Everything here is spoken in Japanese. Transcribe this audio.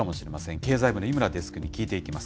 経済部の井村デスクに聞いていきます。